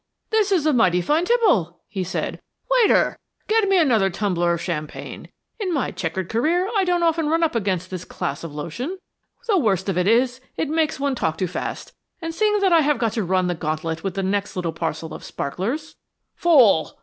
"This is mighty fine tipple," he said. "Waiter, give me another tumbler of champagne. In my chequered career I don't often run up against this class of lotion. The worst of it is, it makes one talk too fast, and seeing that I have got to run the gauntlet with the next little parcel of sparklers " "Fool!"